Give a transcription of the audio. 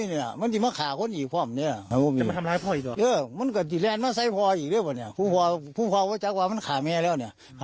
ว่าจะเต็มที่เลยเชื่อใจแล้ว